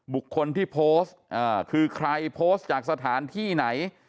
บุคคลที่โพสต์คือใครโพสต์จากสถานที่ไหน